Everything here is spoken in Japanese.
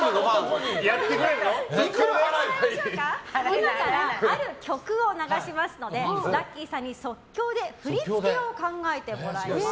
これからある曲を流しますのでラッキィさんに即興で振り付けを考えてもらいます。